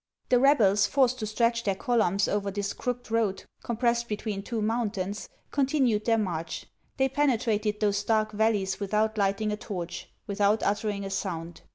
The rebels, forced to stretch their columns over this crooked road compressed between two mountains, con 25 386 HANS OF ICELAND. tinned their inarch. They penetrated those dark valleys without lighting a torch, without uttering a sound.